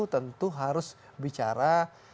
tentu harus bicara